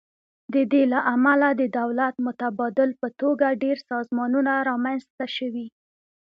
د دې له امله د دولت متبادل په توګه ډیر سازمانونه رامینځ ته شوي.